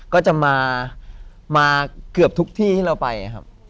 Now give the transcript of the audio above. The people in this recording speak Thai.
ก็จะมาเกือบทุกที่ที่เราไปครับ